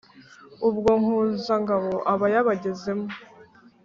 ubwo nkunzabagabo abayabagezemo